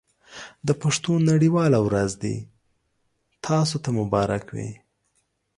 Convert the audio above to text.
د پښتو نړۍ واله ورځ دې تاسو ته مبارک وي.